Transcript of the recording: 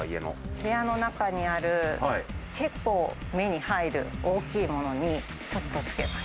部屋の中にある、結構目に入る大きいものにちょっとつけます。